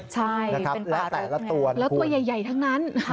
ใช่เป็นปลาแตกแล้วตัวใหญ่ทั้งนั้น